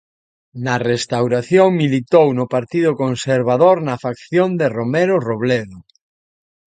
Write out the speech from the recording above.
Na Restauración militou no Partido Conservador na facción de Romero Robledo.